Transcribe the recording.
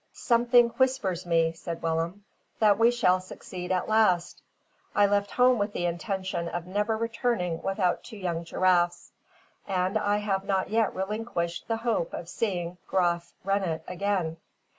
"Something whispers me," said Willem, "that we shall succeed at last. I left home with the intention of never returning without two young giraffes; and I have not yet relinquished the hope of seeing Graaf Reinet again.